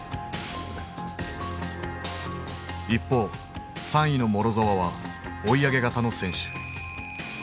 一方３位のモロゾワは追い上げ型の選手。